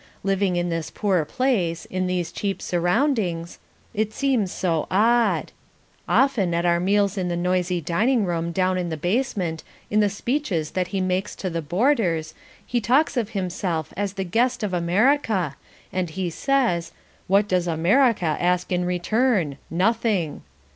Living in this poor place, in these cheap surroundings, it seems so odd. Often at our meals in the noisy dining room down in the basement, in the speeches that he makes to the boarders, he talks of himself as the guest of America and he says, "What does America ask in return? Nothing."